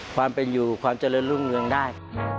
ความเป็นอยู่ความเจริญรุ่งเรืองได้